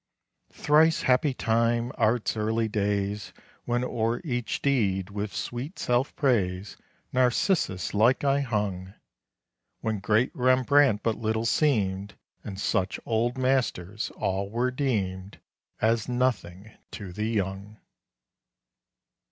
Thrice happy time! Art's early days! When o'er each deed, with sweet self praise, Narcissus like I hung! When great Rembrandt but little seemed, And such Old Masters all were deemed As nothing to the young!